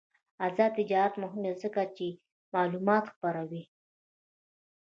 آزاد تجارت مهم دی ځکه چې معلومات خپروي.